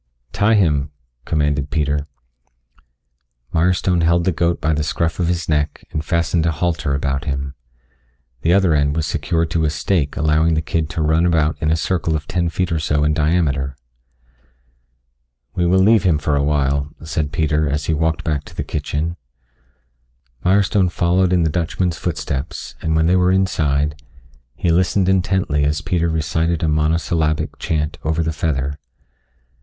"Tie him," commanded Peter. Mirestone held the goat by the scruff of his neck and fastened a halter about him. The other end was secured to a stake allowing the kid to run about in a circle of ten feet or so in diameter. "We will leave him for awhile," said Peter as he walked back to the kitchen. Mirestone followed in the Dutchman's footsteps, and when they were inside, he listened intently as Peter recited a monosyllabic chant over the feather.